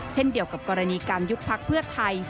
เช่นเดียวกับกรณีการยุบพักเพื่อไทย